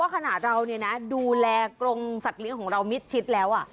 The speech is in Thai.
ว่าขณะเราเนี่ยนะดูแลกรงสัตว์ลิ้งของเรามิดชิดแล้วอ่ะ